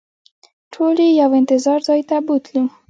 ټول یې یو انتظار ځای ته بوتلو.